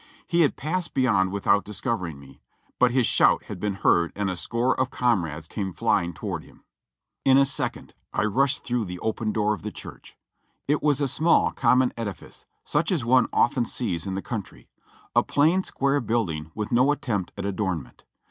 He had passed beyond without discovering me, but his shout had been heard and a score of comrades came flying toward him. In a second I rushed through the open door of the church. It was a small, common edifice, such as one often sees in the country ; a plain square building with no attempt at adornment.